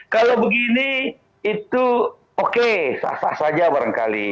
kalau begini itu oke sah sah saja barangkali